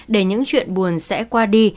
để những chuyện buồn sẽ qua đi